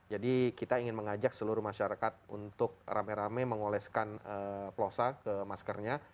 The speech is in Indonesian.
jadi kita ingin mengajak seluruh masyarakat untuk rame rame mengoleskan plosa ke maskernya